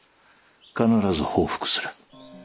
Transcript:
必ず報復する。